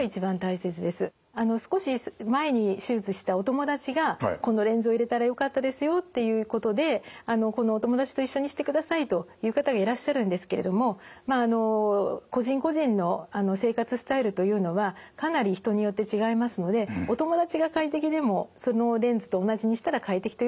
あの少し前に手術したお友達がこのレンズを入れたらよかったですよということでこのお友達と一緒にしてくださいと言う方がいらっしゃるんですけれどもまああの個人個人の生活スタイルというのはかなり人によって違いますのでお友達が快適でもそのレンズと同じにしたら快適というわけではないんですね。